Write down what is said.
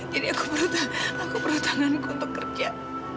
jadi aku perlu tanganku untuk kerja